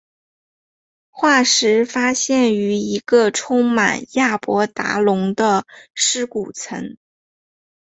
化石发现于一个充满亚伯达龙的尸骨层。